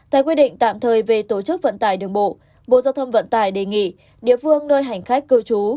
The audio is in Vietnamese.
tại quy định tạm thời về tổ chức vận tải đường bộ bộ giao thông vận tải đề nghị địa phương nơi hành khách cư trú